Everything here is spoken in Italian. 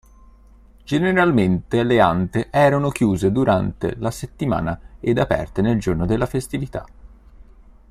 Generalmente le ante erano chiuse durante la settimana ed aperte nel giorno della festività.